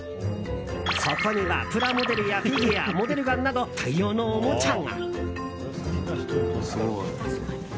そこにはプラモデルやフィギュアモデルガンなど大量のおもちゃが。